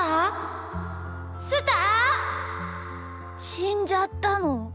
しんじゃったの？